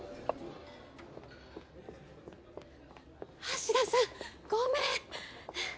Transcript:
橋田さんごめん。